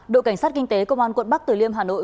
đội cảnh sát kinh tế công an quận bắc tử liêm hà nội